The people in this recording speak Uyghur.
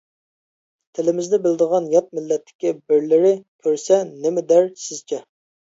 تىلىمىزنى بىلىدىغان يات مىللەتتىكى بىرلىرى كۆرسە، نېمە دەر سىزچە؟ !